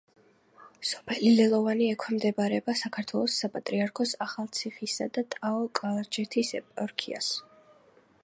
სოფელი ლელოვანი ექვემდებარება საქართველოს საპატრიარქოს ახალციხისა და ტაო-კლარჯეთის ეპარქიას.